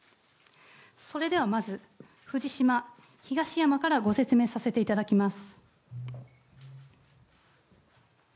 それではまず、藤島、東山からご説明させていただきます。